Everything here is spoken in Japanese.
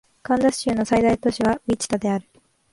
カンザス州の最大都市はウィチタである